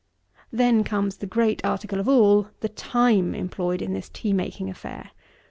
Then comes the great article of all, the time employed in this tea making affair.